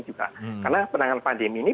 juga karena penanganan pandemi ini